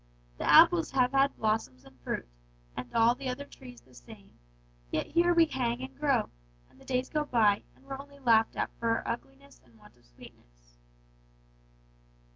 The apples have had blossoms and fruit, and all the other trees the same, yet here we hang and grow, and the days go by and we're only laughed at for our ugliness and want of sweetness.'